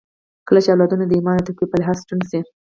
کله چې اولادونه د ايمان او تقوی په لحاظ شتمن سي